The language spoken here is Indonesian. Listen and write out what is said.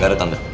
gak ada tanda